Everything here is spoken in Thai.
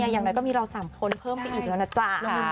อย่างน้อยก็มีเรา๓คนเพิ่มไปอีกแล้วนะจ๊ะ